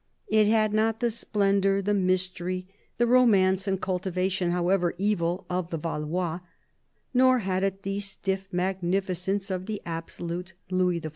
It had not the splendour, the mystery, the romance and cultivation, however evil, of the Valois; nor had it the stiff magnificence of an absolute Louis XIV.